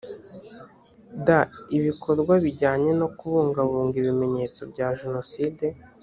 d ibikorwa bijyanye no kubungabunga ibimenyetso bya jenoside